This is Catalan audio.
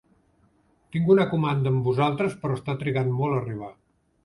Tinc una comanda amb vosaltres però esta trigant molt a arribar.